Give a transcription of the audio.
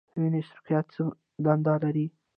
د وینې سره کرویات څه دنده لري؟